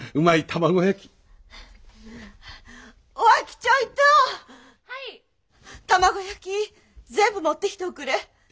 卵焼き全部持ってきておくれ。